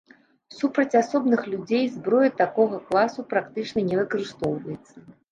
Супраць асобных людзей зброя такога класа практычна не выкарыстоўваецца.